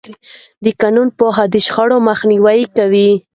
د قانون پوهاوی د شخړو مخنیوی کوي.